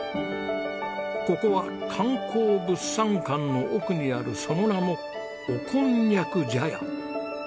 ここは観光物産館の奥にあるその名も「おこんにゃく茶屋」。